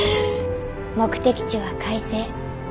目的地は快晴。